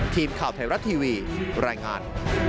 ทีมข่าวไทยรัฐทีวีรายงาน